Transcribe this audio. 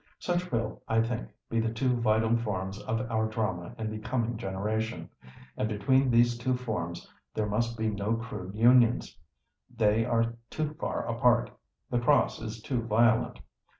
Such will, I think, be the two vital forms of our drama in the coming generation. And between these two forms there must be no crude unions; they are too far apart, the cross is too violent.